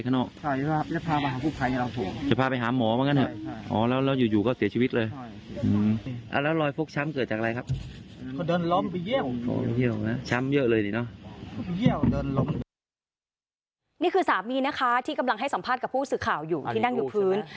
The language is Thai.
นี่คือสามีนะคะที่กำลังให้สัมภาษณ์กับผู้สื่อข่าวอยู่ที่นั่งอยู่พื้น